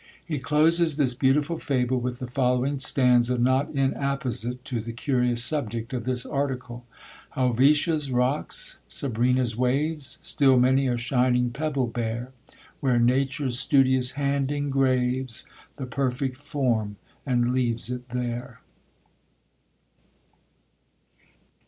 He closes this beautiful fable with the following stanza not inapposite to the curious subject of this article: Helvetia's rocks, Sabrina's waves, Still many a shining pebble bear: Where nature's studious hand engraves The PERFECT FORM, and leaves it there.